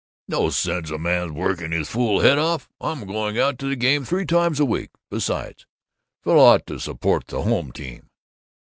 "No sense a man's working his fool head off. I'm going out to the Game three times a week. Besides, fellow ought to support the home team."